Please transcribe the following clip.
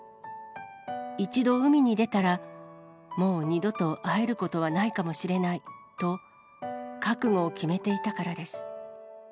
一度海に出たら、もう二度と会えることはないかもしれないと、覚悟を決めていたからです。